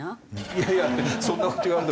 いやいやそんな事言われても。